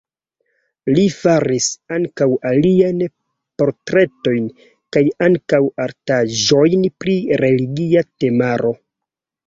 Li faris ankaŭ aliajn portretojn kaj ankaŭ artaĵojn pri religia temaro.